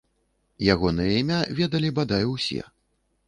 Ягонае імя ведалі, бадай, усе.